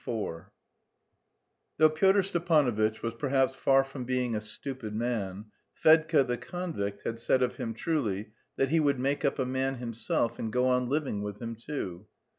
IV Though Pyotr Stepanovitch was perhaps far from being a stupid man, Fedka the convict had said of him truly "that he would make up a man himself and go on living with him too."